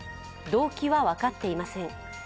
動機は分かっていません。